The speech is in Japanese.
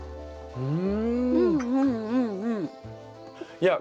うん。